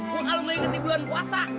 pun alu main ketimbangan puasa